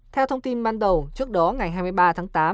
theo thông tin ban đầu trước đó ngày hai mươi ba tháng tám